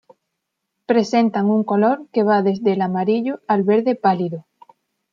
Presentan un color que va desde el amarillo al verde pálido.